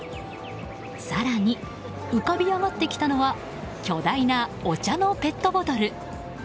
更に、浮かび上がってきたのは巨大なお茶のペットボトル。